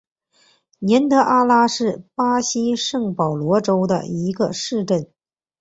年德阿拉是巴西圣保罗州的一个市镇。